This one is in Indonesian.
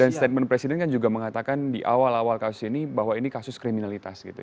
dan statement presiden juga mengatakan di awal awal kasus ini bahwa ini kasus kriminalitas gitu